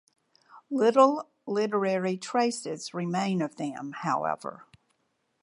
Little literary traces remain of them, however.